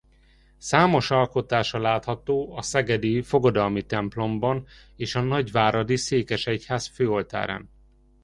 Számos alkotása látható a szegedi Fogadalmi templomban és a nagyváradi székesegyház főoltárán.